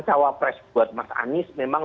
cawapres buat mas anies memang